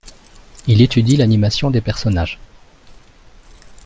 Il étudie l'animation des personnages.